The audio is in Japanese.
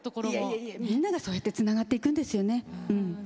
みんなが、そうやってつながっていくんでしょうね。